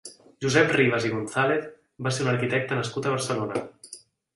Josep Ribas i González va ser un arquitecte nascut a Barcelona.